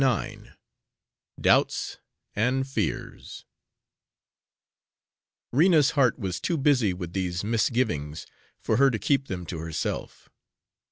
IX DOUBTS AND FEARS Rena's heart was too heavy with these misgivings for her to keep them to herself.